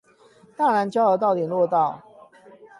大湳交流道聯絡道